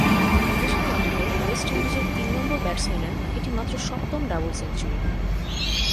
বিদেশের মাটিতে ওয়েস্ট ইন্ডিজের তিন নম্বর ব্যাটসম্যানের এটি মাত্র সপ্তম ডাবল সেঞ্চুরি।